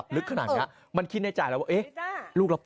โอ้โหแล้วสองสามคนก็เอาไม่อยู่ขย่าวขนาดนี้แล้วลาบลึกมาก